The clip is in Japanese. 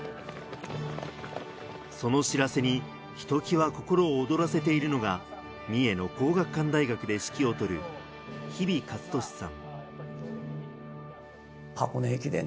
その知らせにひときわ心を躍らせているのが三重の皇學館大学で指揮を執る、日比勝俊さん。